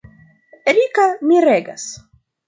Rika miregas.